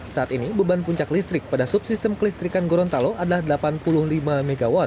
saat ini beban puncak listrik pada subsistem kelistrikan gorontalo adalah delapan puluh lima mw